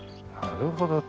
なるほど。